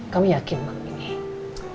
kamu yakin emang ini